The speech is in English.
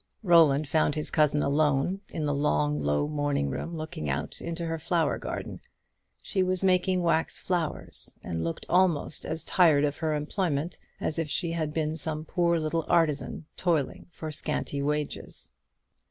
Roland found his cousin alone, in the long low morning room looking out into her flower garden. She was making wax flowers, and looked almost as tired of her employment as if she had been some poor little artisan toiling for scanty wages.